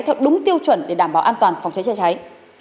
theo đúng tiêu chuẩn để đảm bảo an toàn phòng cháy chữa cháy